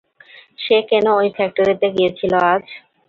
সে কেন ওই ফ্যাক্টরিতে গিয়েছিল আজ?